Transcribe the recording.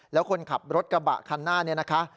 แล้วคนขับรถกระบะคันหน้านี้นะคะ